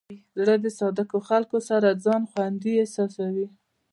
زړه د صادقو خلکو سره ځان خوندي احساسوي.